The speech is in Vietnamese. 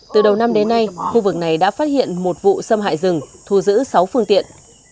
từ đầu năm đến nay khu vực này đã phát hiện một vụ xâm hại rừng thu giữ sáu phương tiện